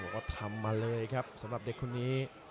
บอกว่าทำมาเลยครับสำหรับเด็กคนนี้